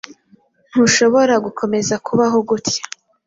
Ntushobora gukomeza kubaho gutya.